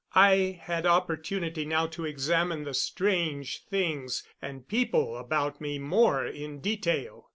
I had opportunity now to examine the strange things and people about me more in detail.